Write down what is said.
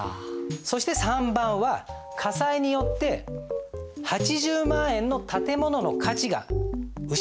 そして３番は火災によって８０万円の建物の価値が失われた。